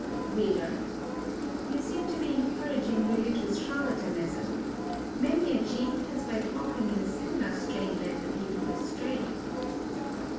READER: You seem to be encouraging religious charlatanism. Many a cheat has by talking in a similar strain led the people astray.